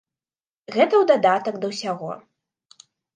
Гэта ў дадатак да ўсяго.